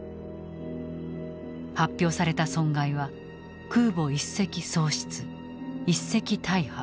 発表された損害は空母１隻喪失１隻大破。